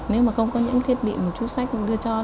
nếu mà không có những thiết bị mà trung sách đưa cho